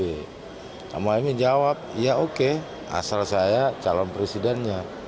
pak mohaimin jawab ya oke asal saya calon presidennya